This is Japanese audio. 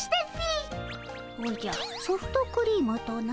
おじゃソフトクリームとな。